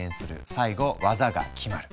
最後技が決まる。